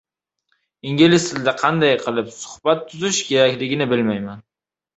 ingliz tilida qanday qilib suhbat tuzish kerakligini bilmayman